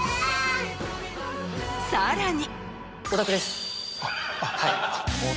さらに。